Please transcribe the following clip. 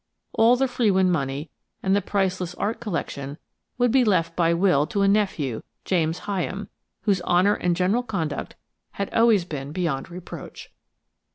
All the Frewin money and the priceless art collection would be left by will to a nephew, James Hyam, whose honour and general conduct had always been beyond reproach.